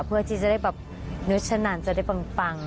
เพื่อที่จะได้แบบนุชนานจะได้ปัง